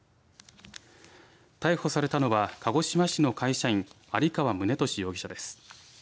逮捕されたのは鹿児島市の会社員有川宗利容疑者です